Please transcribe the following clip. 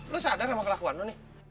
lu sadar sama kelakuan lo nih